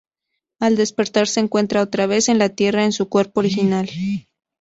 Al despertar se encuentra otra vez en la Tierra en su cuerpo original.